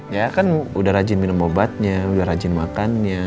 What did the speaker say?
ya kan udah rajin minum obatnya udah rajin makannya